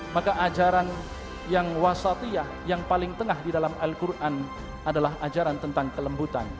maka ajaran yang wasatiyah yang paling tengah di dalam al quran adalah ajaran tentang kelembutan